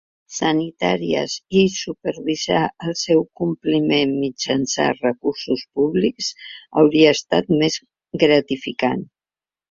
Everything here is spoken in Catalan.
Sanitàries i supervisar el seu compliment mitjançant recursos públics hauria estat més gratificant.